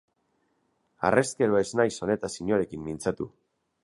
Harrezkero ez naiz honetaz inorekin mintzatu.